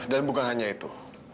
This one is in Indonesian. dan bukan hanya itu